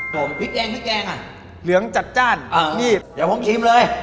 ผมพริกแยงอ่ะเหลืองจัดจ้านเออนี่เดี๋ยวผมชิมเลย